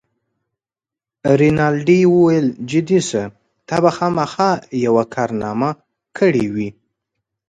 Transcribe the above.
رینالډي وویل: جدي شه، تا به خامخا یوه کارنامه کړې وي.